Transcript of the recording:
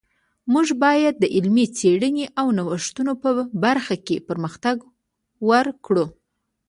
موږ باید د علمي څیړنو او نوښتونو په برخه کی پرمختګ ورکړو